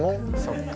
そっか。